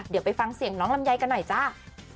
เดี๋ยวไปฟังเสียงน้องลำไยกันหน่อยจ้า